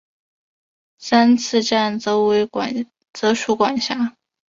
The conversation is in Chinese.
三次站则属管辖。